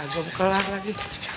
kerjaan gw kelak lagi